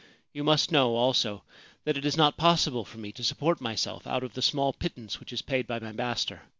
You must know, also, that it is not possible for me to support myself out of the small pittance which is paid by my master.